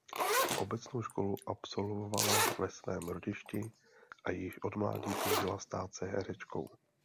Obecnou školu absolvovala ve svém rodišti a již od mládí toužila stát se herečkou.